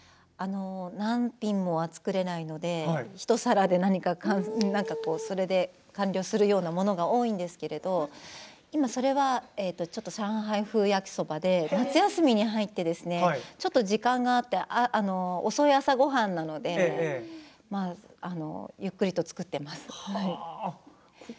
何品も作れないので一皿で何か完了するようなものが多いんですけどそれは、上海風焼きそばで夏休みに入って、ちょっと時間があって遅い朝ごはんなのでゆっくりと作っています。